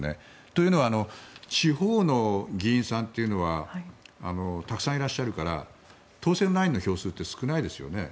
というのは地方の議員さんというのはたくさんいらっしゃるから当選ラインの票数って少ないですよね。